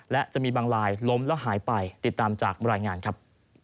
และจะมีบางลายล้มแล้วหายไปติดตามจากรายงานครับ